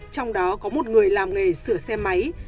trong đó có một người làm nghề sửa xe máy